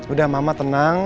udah mama tenang